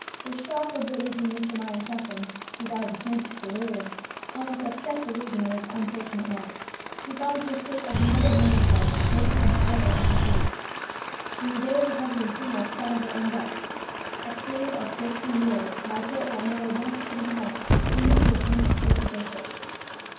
"The shock of witnessing Mr. Myers' sufferings (he died in frantic delirium) almost upset the reason of his unfortunate wife. She fell into a state of morbid melancholy, making an idol of her grief. From the day of her husband's funeral to that of her own death, a period of fifty years, my poor aunt never once quitted the house, even to attend a place of worship."